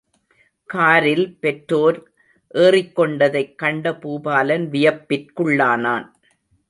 காரில் தன் பெற்றோர் ஏறிக் கொண்டதைக் கண்ட பூபாலன் வியப்பிற்குள்ளானான்.